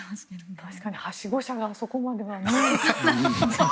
確かに、はしご車があそこまではね。